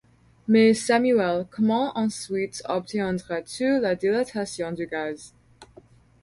Mais, Samuel, comment ensuite obtiendras-tu la dilatation du gaz ?